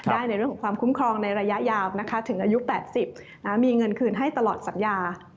ในเรื่องของความคุ้มครองในระยะยาวถึงอายุ๘๐มีเงินคืนให้ตลอดสัญญา